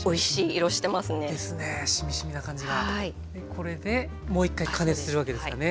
これでもう一回加熱するわけですかね